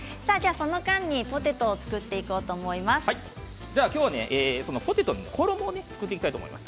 その間にポテトを作っていきたいと思います。